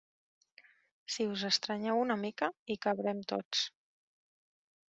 Si us estrenyeu una mica, hi cabrem tots.